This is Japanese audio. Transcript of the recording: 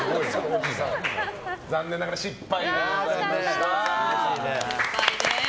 残念ながら失敗でございました。